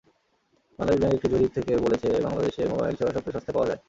Bangladesh Bank একটি জরিপ থেকে বলেছে, বাংলাদেশে মোবাইল সেবা সবচেয়ে সস্তায় পাওয়া যায়।